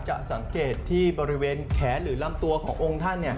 จะสังเกตที่บริเวณแขนหรือลำตัวขององค์ท่าน